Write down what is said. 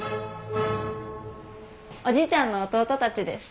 おじいちゃんの弟たちです。